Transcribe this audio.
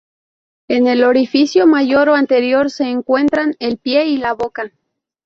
En el orificio mayor o anterior se encuentran el pie y la boca.